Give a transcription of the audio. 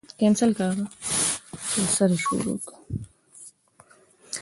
باسواده نجونې د چاپیریال ساتنې ته پام کوي.